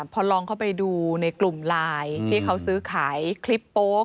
พอลองเข้าไปดูในกลุ่มไลน์ที่เขาซื้อขายคลิปโป๊ก